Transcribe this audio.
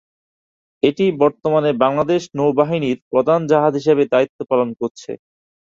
এটি বর্তমানে বাংলাদেশ নৌ বাহিনীর "প্রধান জাহাজ" হিসেবে দায়িত্ব পালন করছে।